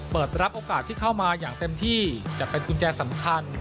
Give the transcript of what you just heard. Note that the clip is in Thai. เปิดรับโอกาสที่เข้ามาอย่างเต็มที่จะเป็นกุญแจสำคัญ